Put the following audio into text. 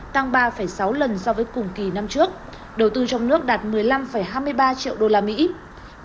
tăng ba sáu lần so với cùng kỳ năm trước đầu tư trong nước đạt một mươi năm hai mươi ba triệu usd